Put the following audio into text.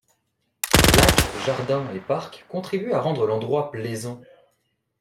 Lacs, jardins et parc contribuent à rendre l'endroit plaisant.